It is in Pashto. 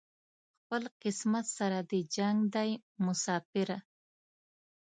خپل قسمت سره دې جنګ دی مساپره